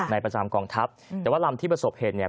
ประจำกองทัพแต่ว่าลำที่ประสบเหตุเนี่ย